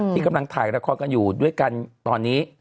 ที่กำลังถ่ายละครกันอยู่ด้วยกันตอนนี้